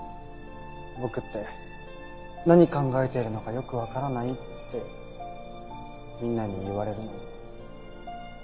僕って何考えているのかよくわからないってみんなに言われるのに。